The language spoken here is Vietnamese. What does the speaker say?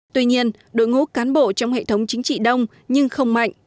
tuy nhiên đội ngũ cán bộ trong hệ thống chính trị đông nhưng không mạnh